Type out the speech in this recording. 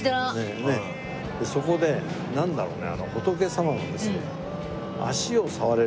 そこでなんだろうね。